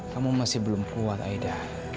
kamu masih belum keluar aida